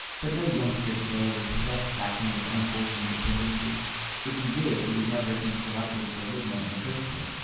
But no youngster today would possess that kind of unwholesome dependency. If he did, he would never have been selected for Lydna in the first place.